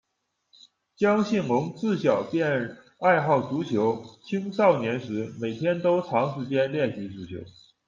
江信隆自小便爱好足球，青少年时每天都长时间练习足球。